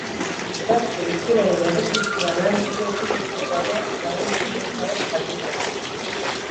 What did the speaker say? Gazte hizkeraren erregistroa lantzeko ezinbestekoa da lagunekin euskaraz jardutea.